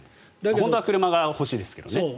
本当は車が欲しいんですけどね。